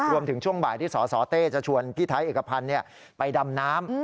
ช่วงบ่ายที่สสเต้จะชวนพี่ไทยเอกพันธ์ไปดำน้ำ